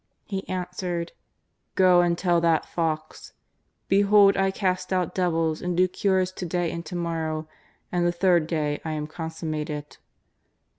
'' He answered :" Go and tell that fox : Behold, I cast out devils and do cures to day and to morrow, and the third day I am consummated."